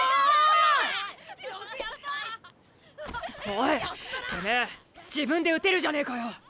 おいてめえ自分で打てるじゃねえかよ。